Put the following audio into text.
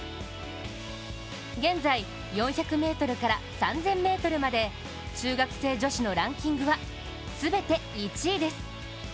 現在、４００ｍから３０００ｍまで中学生女子のランキングは全て１位です。